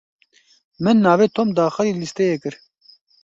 Min navê Tom daxilî lîsteyê kir.